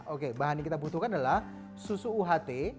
oke bahan yang kita butuhkan adalah susu uht